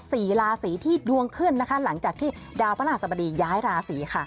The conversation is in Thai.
สี่ราศีที่ดวงขึ้นนะคะหลังจากที่ดาวพระราชสบดีย้ายราศีค่ะ